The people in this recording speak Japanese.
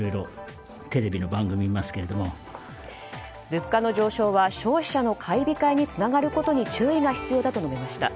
物価の上昇は消費者の買い控えにつながることに注意が必要だと述べました。